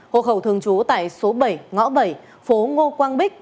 hộ khẩu thường trú tại số bảy ngõ bảy phố ngô quang bích